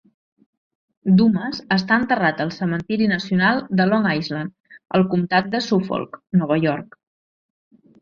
Dumas està enterrat al cementiri nacional de Long Island, al comtat de Suffolk, Nova York.